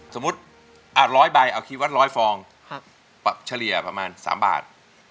สมมุติอาจร้อยใบเอาคีย์ว่าร้อยฟองประมาณ๓บาท